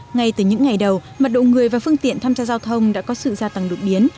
ngay từ những ngày đầu mặt độ người và phương tiện tham gia giao thông đã có sự gia tăng đột biến